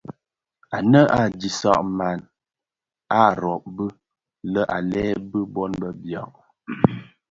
Ànë a disag man a màa rôb bi lë à lëê bi bôn bë biàg.